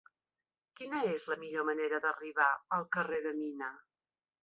Quina és la millor manera d'arribar al carrer de Mina?